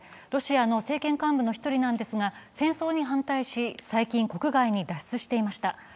ロシアの政権幹部の１人なんですが戦争に反対し、最近、国外に脱出していました。